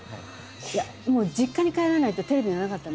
いやもう実家に帰らないとテレビがなかったんです。